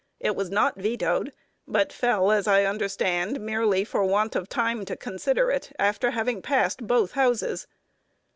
It was not vetoed, but fell, as I understand, merely for want of time to consider it after having passed both houses."